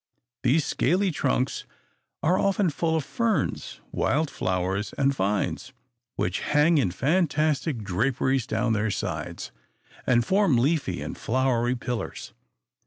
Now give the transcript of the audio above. These scaly trunks are often full of ferns, wild flowers, and vines, which hang in fantastic draperies down their sides, and form leafy and flowery pillars.